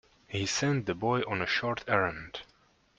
He sent the boy on a short errand.